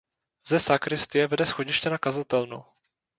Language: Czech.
Ze sakristie vede schodiště na kazatelnu.